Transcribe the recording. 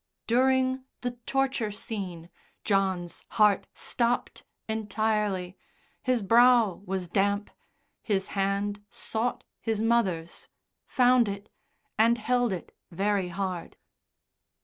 During the torture scene John's heart stopped entirely, his brow was damp, his hand sought his mother's, found it, and held it very hard.